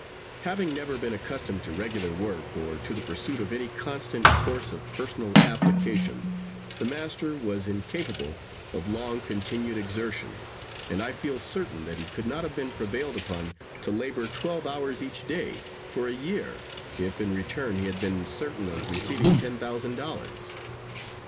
Having never been accustomed to regular work, or to the pursuit of any constant course of personal application, the master was incapable of long continued exertion; and I feel certain that he could not have been prevailed upon to labor twelve hours each day, for a year, if in return he had been certain of receiving ten thousand dollars.